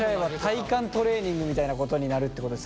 体幹トレーニングみたいなことになるっていうことですね？